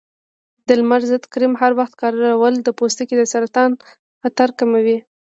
د لمر ضد کریم هر وخت کارول د پوستکي د سرطان خطر کموي.